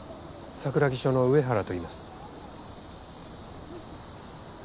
桜木署の上原といいます。